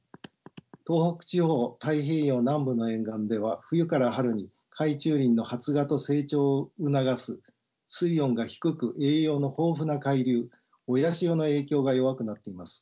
東北地方太平洋南部の沿岸では冬から春に海中林の発芽と成長を促す水温が低く栄養の豊富な海流親潮の影響が弱くなっています。